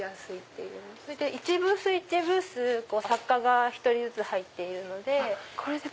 いちブースいちブース作家が１人ずつ入っているので。